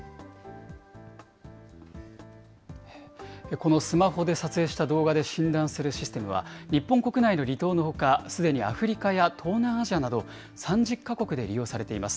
このスマホで撮影した動画で診断するシステムは、日本国内の離島のほか、すでにアフリカや東南アジアなど、３０か国で利用されています。